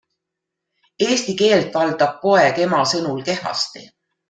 Eesti keelt valdab poeg ema sõnul kehvasti.